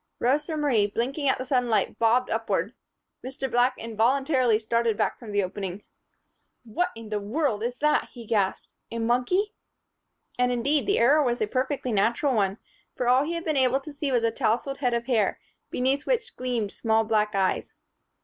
Rosa Marie, blinking at the sudden light, bobbed upward. Mr. Black involuntarily started back from the opening. "What under heavens is that!" he gasped. "A monkey?" And, indeed, the error was a perfectly natural one, for all he had been able to see was a tousled head of hair, beneath which gleamed small black eyes.